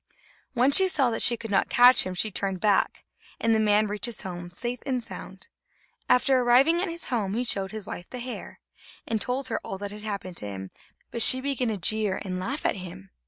When she saw that she could not catch him, she turned back, and the man reached his home safe and sound. After arriving at his home, he showed his wife the hair, and told her all that had happened to him, but she began to jeer and laugh at him.